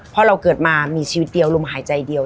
เพราะเราเกิดมามีชีวิตเดียวลมหายใจเดียว